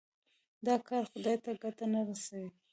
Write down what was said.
دا کار خدای ته ګټه نه رسوي.